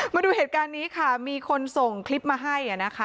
มาดูเหตุการณ์นี้ค่ะมีคนส่งคลิปมาให้นะคะ